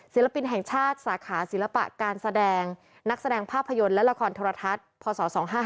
ศิลปินแห่งชาติสาขาศิลปะการแสดงนักแสดงภาพยนตร์และละครโทรทัศน์พศ๒๕๕